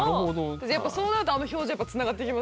じゃやっぱそうなるとあの表情つながってきますね。